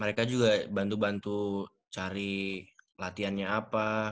mereka juga bantu bantu cari latihannya apa